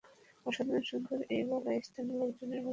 অসাধারণ সুন্দর এই বলয় স্থানীয় লোকজনের মধ্যে কৌতূহল সৃষ্টি করে।